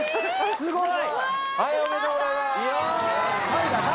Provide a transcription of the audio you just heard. すごい！